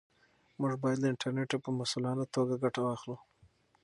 موږ باید له انټرنیټه په مسؤلانه توګه ګټه واخلو.